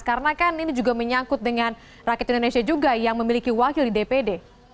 karena kan ini juga menyangkut dengan rakyat indonesia juga yang memiliki wakil di dpd